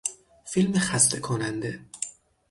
فیلم خسته کننده